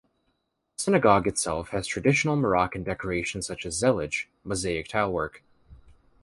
The synagogue itself has traditional Moroccan decoration such as "zellij" (mosaic tilework).